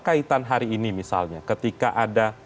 kaitan hari ini misalnya ketika ada